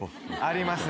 あります。